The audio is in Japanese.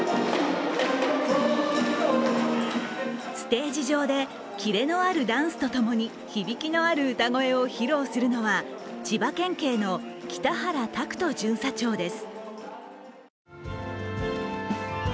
ステージ上でキレのあるダンスとともに響きのある歌声を披露するのは、千葉県警の喜多原拓人巡査長です。